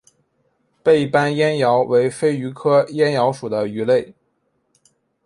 背斑燕鳐为飞鱼科燕鳐属的鱼类。